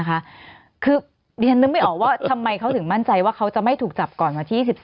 คือดิฉันนึกไม่ออกว่าทำไมเขาถึงมั่นใจว่าเขาจะไม่ถูกจับก่อนวันที่๑๔